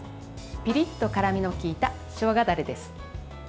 ピリッと辛みの効いたしょうがだれです。